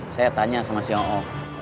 saya tanya sama si oo